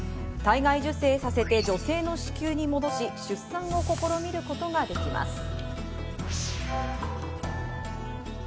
体外受精させて女性の子宮に戻し、出産を試みることができます。